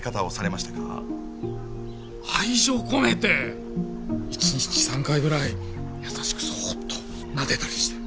愛情込めて一日３回ぐらい優しくそっとなでたりして。